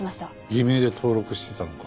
偽名で登録してたのか。